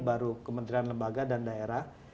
baru kementerian lembaga dan daerah